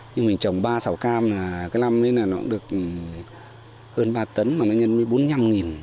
nhưng mình trồng ba sao cam là cái năm ấy nó cũng được hơn ba tấn mà nó nhân với bốn mươi năm nghìn